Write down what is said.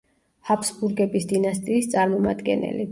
ჰაბსბურგების დინასტიის წარმომადგენელი.